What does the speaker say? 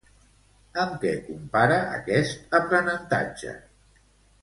Amb què compara aquest aprenentatge?